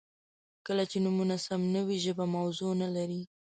• کله چې نومونه سم نه وي، ژبه موضوع نهلري.